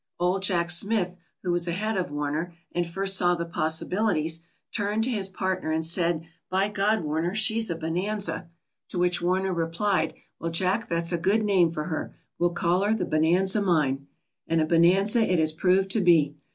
Old Jack Smith, who was ahead of Warner and first saw the possibilities, turned to his partner and said: 'By God, Warner, she's a bonanza/ To which Warner replied: 'Well, Jack that's a good name for her. We'll call her The Bonanza Mine/ "And a bonanza it has proved to be.